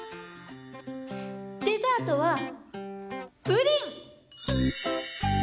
デザートはプリン！